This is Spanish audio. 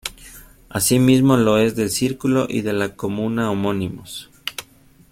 Asimismo lo es del círculo y de la comuna homónimos.